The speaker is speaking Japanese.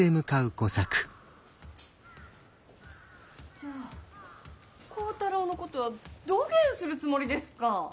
・じゃあ幸太郎のことはどげんするつもりですか！